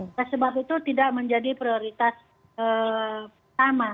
oleh sebab itu tidak menjadi prioritas pertama